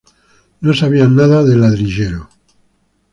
No sabían nada de Ladrillero.